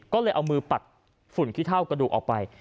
ก็เลยเอามือปัดฝุ่นขี้เท่ากระดูกออกไป